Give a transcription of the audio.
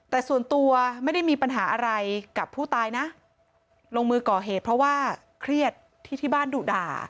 แต่ส่วนตัวไม่ได้มีปัญหาอะไรกับผู้ตายนะลงมือก่อเหตุเพราะว่าเครียดที่ที่บ้านดุด่า